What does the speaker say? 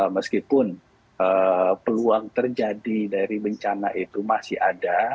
meskipun peluang terjadi dari bencana itu masih ada